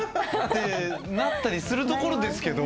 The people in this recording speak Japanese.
なったりするところですけど。